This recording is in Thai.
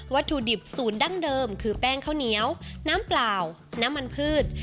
ถุดิบสูตรดั้งเดิมคือแป้งข้าวเหนียวน้ำเปล่าน้ำมันพืช